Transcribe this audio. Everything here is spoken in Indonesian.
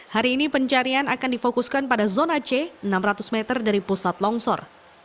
hari ini pencarian akan difokuskan pada zona c enam ratus meter dari pusat longsor